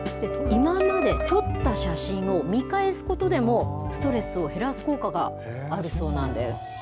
今まで撮った写真を見返すことでも、ストレスを減らす効果があるそうなんです。